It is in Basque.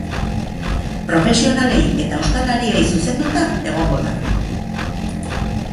Profesionalei eta ostalariei zuzenduta egongo da.